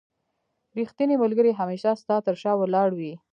رښتينی ملګري هميشه ستا تر شا ولاړ وي.